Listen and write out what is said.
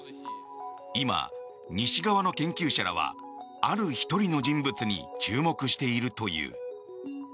今、西側の研究者らはある１人の人物に注目しているという。